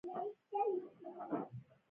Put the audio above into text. د مور مهرباني بېساری ده.